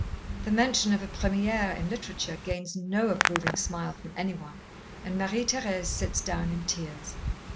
The mention of a première in literature gains no approving smile from any one and Marie Thérèse sits down in tears.